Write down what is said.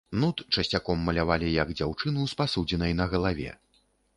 Нут часцяком малявалі як дзяўчыну з пасудзінай на галаве.